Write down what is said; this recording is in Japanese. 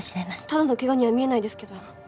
ただのケガには見えないですけど。